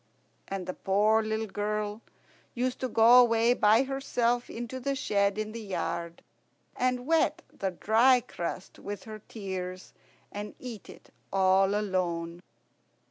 And the poor little girl used to go away by herself into the shed in the yard, and wet the dry crust with her tears, and eat it all alone.